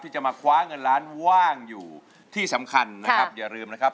จะมาคว้าเงินล้านว่างอยู่ที่สำคัญนะครับอย่าลืมนะครับ